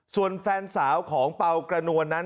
ส่วนแฟนสาวของเปล่ากระนวลนั้น